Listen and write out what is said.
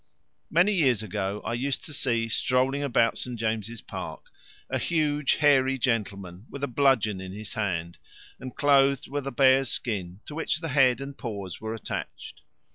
Many years ago I used to see, strolling about St. James's Park, a huge hairy gentleman, with a bludgeon in his hand, and clothed with a bear's skin to which the head and paws were attached.